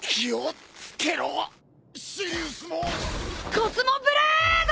コスモブレード！